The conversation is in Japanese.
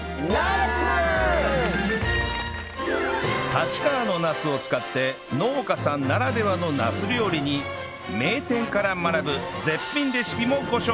立川のナスを使って農家さんならではのナス料理に名店から学ぶ絶品レシピもご紹介！